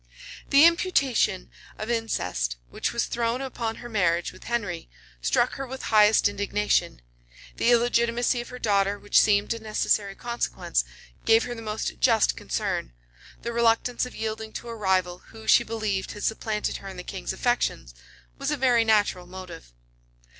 The imputation of incest, which was thrown upon her marriage with Henry, struck her with the highest indignation: the illegitimacy of her daughter, which seemed a necessary consequence, gave her the most just concern: the reluctance of yielding to a rival, who, she believed, had supplanted her in the king's affections, was a very natural motive.